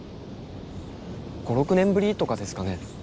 ５６年ぶりとかですかね。